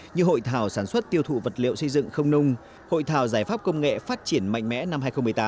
như hội thảo sản xuất tiêu thụ vật liệu xây dựng không nung hội thảo giải pháp công nghệ phát triển mạnh mẽ năm hai nghìn một mươi tám